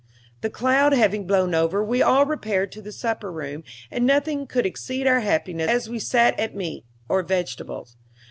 The cloud having blown over, we all repaired to the supper room, and nothing could exceed our happiness as we sat at meat or vegetables.